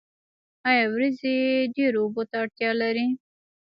آیا وریجې ډیرو اوبو ته اړتیا لري؟